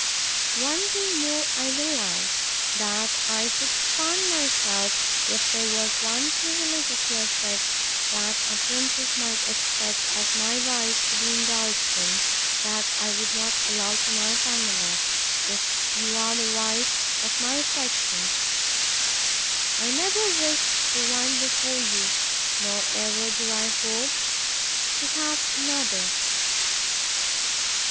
One thing more I will add, That I should scorn myself, if there was one privilege of your sex, that a princess might expect, as my wife, to be indulged in, that I would not allow to my Pamela; for you are the wife of my affections: I never wished for one before you, nor ever do I hope to have another.